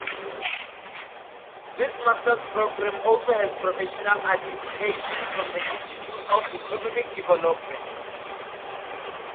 This Masters programme also has professional accreditation from the Institute of Economic Development.